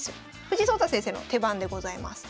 藤井聡太先生の手番でございます。